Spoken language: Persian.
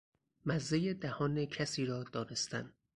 مزه دهان کسی را دانستن